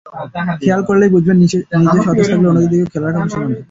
খেয়াল করলেই বুঝবেন, নিজে সতেজ থাকলে অন্যদের দিকেও খেয়াল রাখা হবে খুশিমনে।